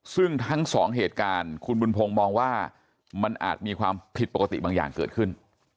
ซึ่งทั้งสองเหตุการณ์คุณบุญพงศ์มองว่ามันอาจมีความผิดปกติบางอย่างเกิดขึ้น